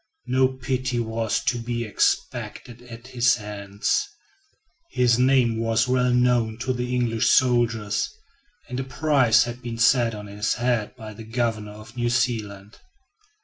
No pity was to be expected at his hands. His name was well known to the English soldiers, and a price had been set on his head by the governor of New Zealand.